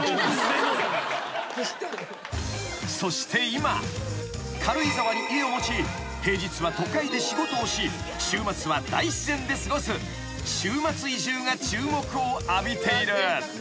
［そして今軽井沢に家を持ち平日は都会で仕事をし週末は大自然で過ごす週末移住が注目を浴びている］